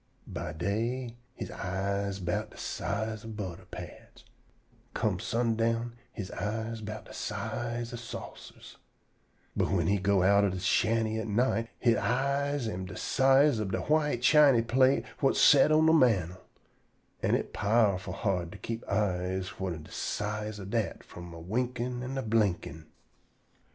By day he eyes 'bout de size ob butter pats, an' come sundown he eyes 'bout de size ob saucers; but whin he go outer de shanty at night, he eyes am de size ob de white chiny plate whut set on de mantel; an' it powerful hard to keep eyes whut am de size ob dat from a winkin' an' a blinkin'.